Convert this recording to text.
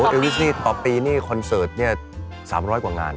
เอลลิสนี่ต่อปีนี่คอนเสิร์ตเนี่ย๓๐๐กว่างาน